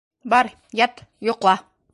Бар, ят, йоҡла.